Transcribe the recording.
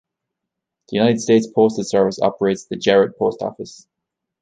The United States Postal Service operates the Jarratt Post Office.